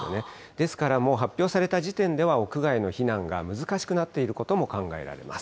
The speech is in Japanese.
ですからもう発表された時点では、屋外への避難が難しくなっていることも考えられます。